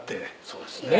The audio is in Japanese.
「そうですね」